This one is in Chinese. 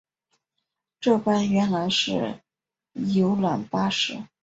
这班原来是游览巴士